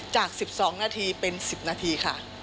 จาก๑๒นาทีเป็น๑๐นาทีค่ะ